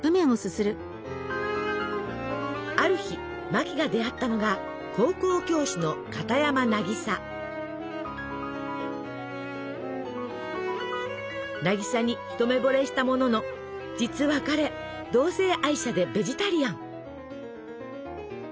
ある日マキが出会ったのが渚に一目ぼれしたものの実は彼同性愛者でベジタリアン。